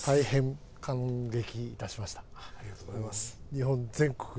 日本全国